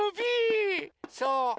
そう！